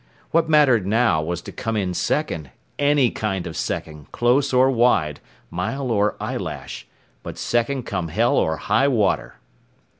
What mattered now was to come in second, any kind of second, close or wide, mile or eyelash, but second come hell or high water.